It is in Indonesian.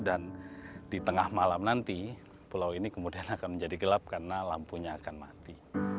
dan di tengah malam nanti pulau ini kemudian akan menjadi gelap karena lampunya akan mati